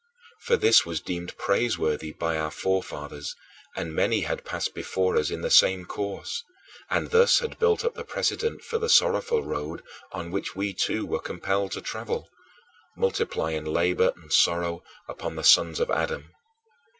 For this was deemed praiseworthy by our forefathers and many had passed before us in the same course, and thus had built up the precedent for the sorrowful road on which we too were compelled to travel, multiplying labor and sorrow upon the sons of Adam.